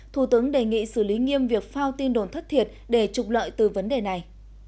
thủ tướng đề nghị xử lý nghiêm việc phao tin đồn thất thiệt để trục lợi từ vấn đề này